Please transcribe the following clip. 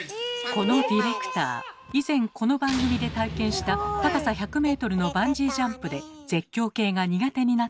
このディレクター以前この番組で体験した高さ１００ｍのバンジージャンプで絶叫系が苦手になったのです。